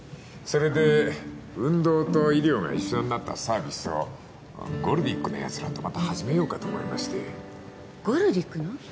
それで運動と医療が一緒になったサービスをゴルディックのやつらとまた始めようかと思いましてゴルディックの？